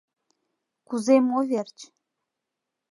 — Кузе мо верч?